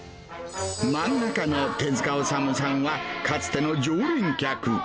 漫画家の手塚治虫さんは、かつての常連客。